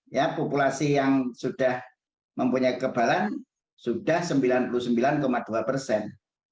jadi populasi yang sudah mempunyai kekebalan sudah sembilan puluh sembilan dua persen